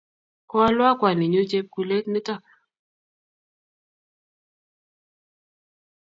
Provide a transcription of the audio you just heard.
Koalwo kwaninnyu chepkulet nitok